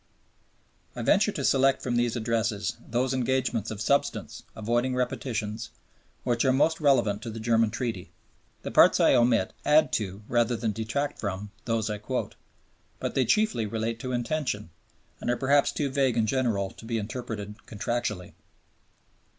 I venture to select from these Addresses those engagements of substance, avoiding repetitions, which are most relevant to the German Treaty. The parts I omit add to, rather than detract from, those I quote; but they chiefly relate to intention, and are perhaps too vague and general to be interpreted contractually.